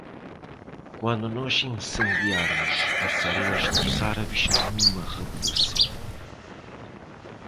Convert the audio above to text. Quando nós incendiarmos as areias dos árabes numa revolução